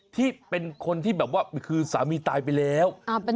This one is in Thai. ที่เป็นคนที่สามีตายไปแล้ว